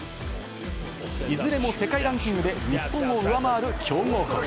いずれも世界ランキングで日本を上回る、強豪国。